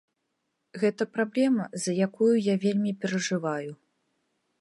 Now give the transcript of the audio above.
Гэта праблема, за якую я вельмі перажываю.